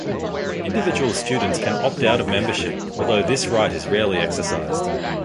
Individual students can opt out of membership, although this right is rarely exercised.